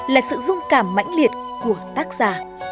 là sự dung cảm mãnh liệt của tác giả